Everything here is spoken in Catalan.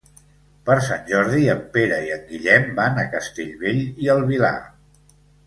Per Sant Jordi en Pere i en Guillem van a Castellbell i el Vilar.